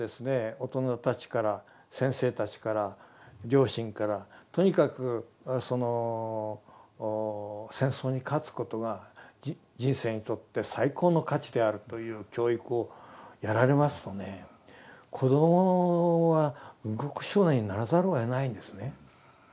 大人たちから先生たちから両親からとにかくその戦争に勝つことが人生にとって最高の価値であるという教育をやられますとね子どもは軍国少年にならざるをえないんですね。